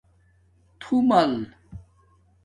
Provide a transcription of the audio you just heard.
تُھومل